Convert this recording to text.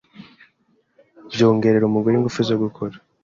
byongerera umugore ingufu zo gukora